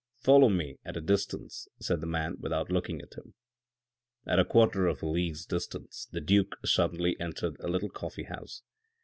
"Follow me at a distance? said the man without looking at him. At a quarter of a league's distance the duke suddenly entered a little coffee house.